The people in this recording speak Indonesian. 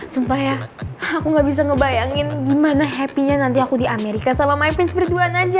sumpah ya aku gak bisa ngebayangin gimana happy nya nanti aku di amerika sama my prince berduaan aja